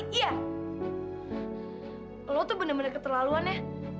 elu tuh bener bener keterlaluan ya elu tuh bener bener keterlaluan ya